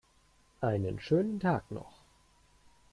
Einen schönen Tag noch!